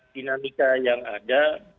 dinamika yang ada